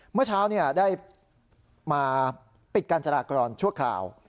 เมื่อเช้าได้มาปิดการจราจรชั่วคราว